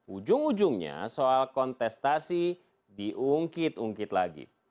ujung ujungnya soal kontestasi diungkit ungkit lagi